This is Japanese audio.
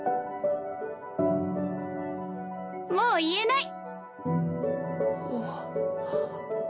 もう言えない！